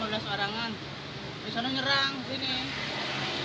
anak anak di sini ada berapa lima belas orang an